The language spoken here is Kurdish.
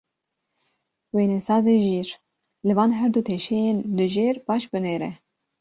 Wênesazê jîr, li van her du teşeyên li jêr baş binêre.